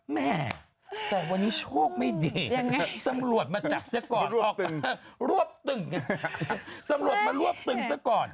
แหมแต่วันนี้โชคไม่ดียังไงตำรวจมาจับซะก่อนรวบตึงงั้นตำรวจมารวบตึงซะก่อน